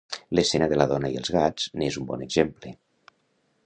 L'escena de la dona i els gats n'és un bon exemple.